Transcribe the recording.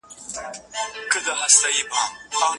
پنیر کلسیم لري.